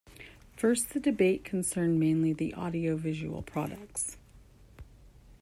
First the debate concerned mainly the audiovisual products.